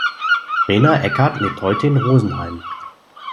Rena Eckart lebt heute in Rosenheim.